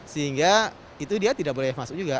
sehingga itu dia tidak boleh masuk juga